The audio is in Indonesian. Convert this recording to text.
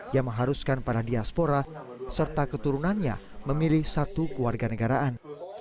yang mengharuskan para diaspora serta keturunannya memilih satu keluarga negaraan